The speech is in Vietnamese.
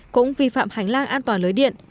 cũng vi phạm hành lang an toàn lưới điện